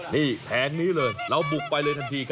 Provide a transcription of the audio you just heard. นี่แผงนี้เลยเราบุกไปเลยทันที